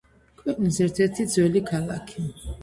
ქვეყნის ერთ-ერთი ძველი ქალაქი.